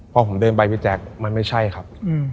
พอผมเดินไปพี่แจ๊คมันไม่ใช่ครับ